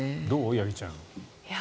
八木ちゃん。